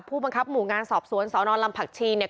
ผู้บังคับหมู่งานสอบสวนสนลำผักชีเนี่ย